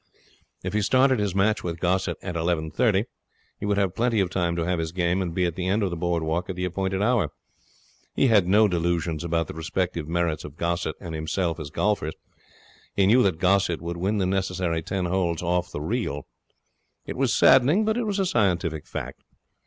If he started his match with Gossett at eleven thirty, he would have plenty of time to have his game and be at the end of the board walk at the appointed hour. He had no delusions about the respective merits of Gossett and himself as golfers. He knew that Gossett would win the necessary ten holes off the reel. It was saddening, but it was a scientific fact.